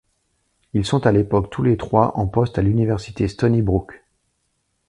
Ils sont à l’époque tous les trois en poste à l'université Stony Brook.